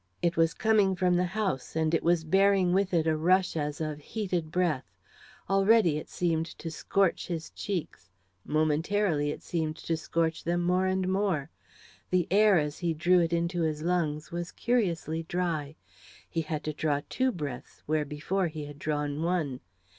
It was coming from the house, and was bearing with it a rush as of heated breath. Already it seemed to scorch his cheeks momentarily it seemed to scorch them more and more. The air, as he drew it into his lungs, was curiously dry. He had to draw two breaths where before he had drawn one.